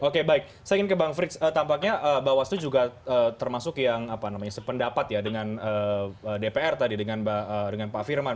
oke baik saya ingin ke bang frits tampaknya bawaslu juga termasuk yang sependapat ya dengan dpr tadi dengan pak firman